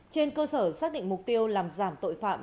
trên cơ sở xác định mục tiêu làm giảm tội phạm